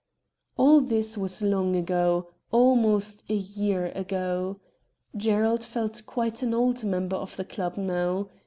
THE VOYAGERS 13 All this was long ago — almost a year ago. Gerald felt quite an old member of the club now.